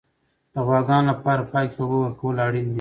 د غواګانو لپاره پاکې اوبه ورکول اړین دي.